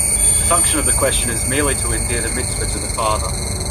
The function of the question is merely to endear the mitzvah to the father.